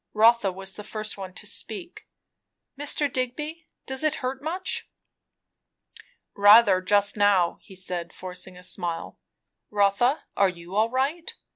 Rotha was the first one to speak. "Mr. Digby does it hurt much?" "Rather, just now," he said forcing a smile. "Rotha, are you all right?"